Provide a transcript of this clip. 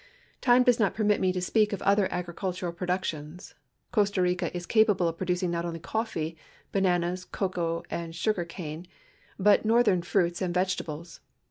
Time does not permit me to speak of other agricultural pro ductions. Costa Rica is capable of producing not only coffee^ bananas, cocoa, and sugar cane, but northern fruits and vegeta bles.